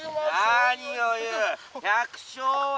「何を言う百姓は国の宝。